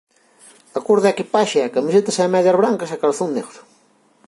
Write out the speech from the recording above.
A cor da equipaxe é camiseta e medias brancas e calzón negro.